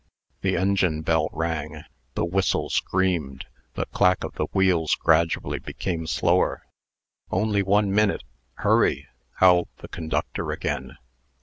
The engine bell rang, the whistle screamed, the clack of the wheels gradually became slower. "Only one minute. Hurry!" howled the conductor again.